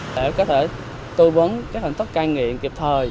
để có thể tư vấn các hình thức cai nghiện kịp thời